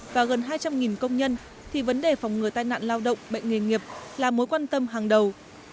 và gần hai trăm linh công nhân thì vấn đề phòng ngừa tai nạn lao động bệnh nghề nghiệp là mối quan tâm hàng đầu